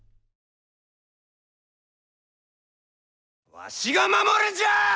わしが守るんじゃあ！